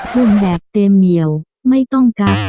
พูดแบบเต็มเหนียวไม่ต้องกัก